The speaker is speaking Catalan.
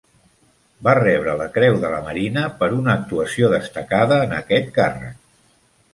Va rebre la Creu de la Marina per una actuació destacada en aquest càrrec.